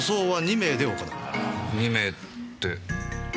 ２名って。